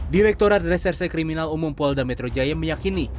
direkturat reserse kriminal umum polda metro jaya meyakini